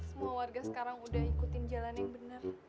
semua warga sekarang udah ikutin jalan yang benar